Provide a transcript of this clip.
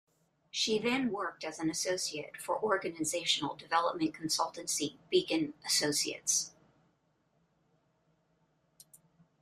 She then worked as an associate for organisational development consultancy, Beacon Associates.